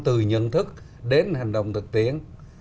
từ nhận thức đến hành động thực tiễn